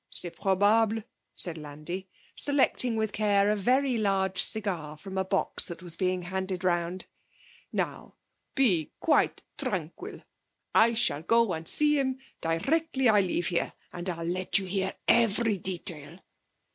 'C'est probable,' said Landi, selecting with care a very large cigar from a box that was being handed round. 'Now, be quite tranquil. I shall go and see him directly I leave here, and I'll let you hear every detail.